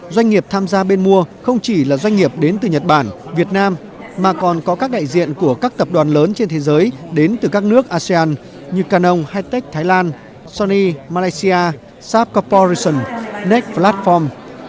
doanh nghiệp tham gia bên mua không chỉ là doanh nghiệp đến từ nhật bản việt nam mà còn có các đại diện của các tập đoàn lớn trên thế giới đến từ các nước asean như canon hake thái lan sony malaysia net platform